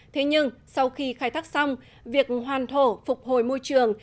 thế nhưng sau khi khai thác xong việc hoàn thổ phục hồi môi trường